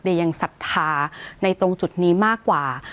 ยังศรัทธาในตรงจุดนี้มากกว่า